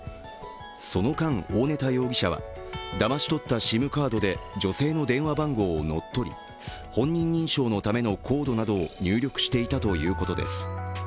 その間、大根田容疑者はだまし取ったＳＩＭカードで女性の電話番号を乗っ取り本人認証のためのコードなどを入力していたということです。